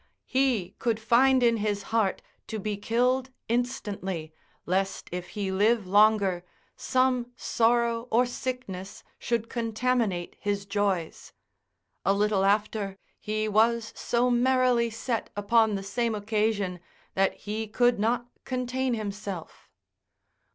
He could find in his heart to be killed instantly, lest if he live longer, some sorrow or sickness should contaminate his joys. A little after, he was so merrily set upon the same occasion, that he could not contain himself.